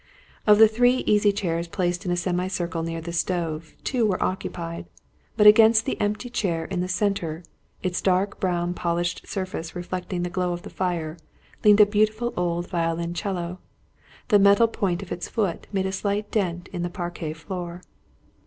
Of the three easy chairs placed in a semi circle near the stove, two were occupied; but against the empty chair in the centre, its dark brown polished surface reflecting the glow of the fire, leaned a beautiful old violoncello. The metal point of its foot made a slight dent in the parquet floor.